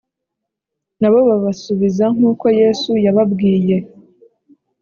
Nabo babasubiza nk uko Yesu yababwiye